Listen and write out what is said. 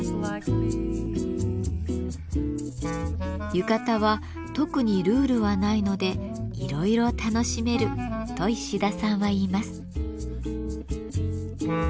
浴衣は特にルールはないのでいろいろ楽しめると石田さんは言います。